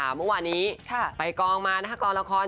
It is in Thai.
มีความว่าหนี้ไปกรองมานะคะกรองละคร